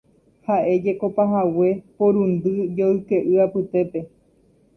Ha'éjeko pahague porundy joyke'y apytépe.